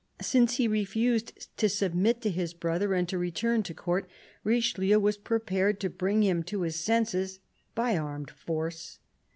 Since he refused to submit to his brother and to return to Court, Richelieu was prepared to bring him to his senses by armed force.